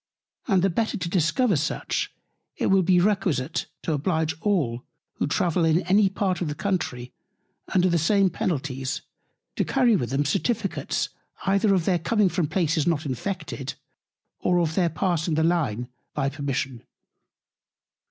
And the better to discover such, it will be requisite to oblige all, who travel in any Part of the Country, under the same Penalties, to carry with them Certificates either of their coming from Places not Infected, or of their passing the Line by permission.